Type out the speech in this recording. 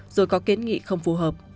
rồi có kiến nghị không phù hợp